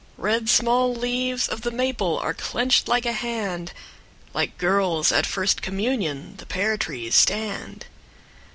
Red small leaves of the maple Are clenched like a hand, Like girls at their first communion The pear trees stand.